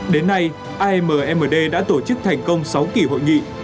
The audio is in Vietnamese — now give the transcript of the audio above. đến nay ammd đã tổ chức thành công sáu kỷ hội nghị